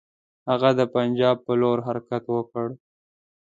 هغه د پنجاب پر لور حرکت وکړ.